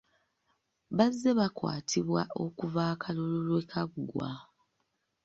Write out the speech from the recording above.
Bazze bakwatibwa okuva akalulu lwe kaggwa.